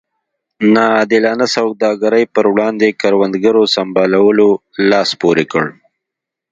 نا عادلانه سوداګرۍ پر وړاندې کروندګرو سمبالولو لاس پورې کړ.